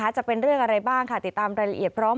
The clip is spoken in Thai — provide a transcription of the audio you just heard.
จะเป็นเรื่องอะไรบ้างค่ะติดตามรายละเอียดพร้อม